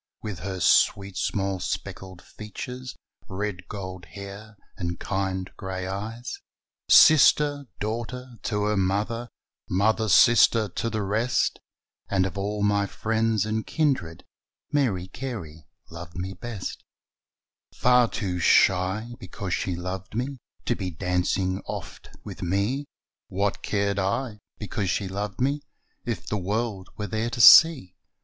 With her sweet small freckled features, Red gold hair, and kind grey eyes ; Sister, daughter, to her mother, Mother, sister, to the rest And of all my friends and kindred Mary Carey loved me best. 100 THE SHAKEDOWN ON THE FLOOR Far too shy, because she loved me. To be dancing oft with me ; (What cared I, because she loved me, If the world were there to see?)